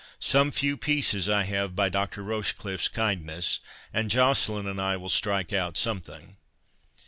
Some few pieces I have by Doctor Rochecliffe's kindness, and Joceline and I will strike out something."